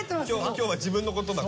今日は自分のことだから。